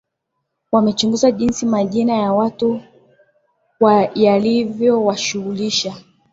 Wamechunguza jinsi majina ya watu yalivyowashughulisha